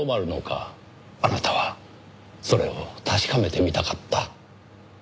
あなたはそれを確かめてみたかった。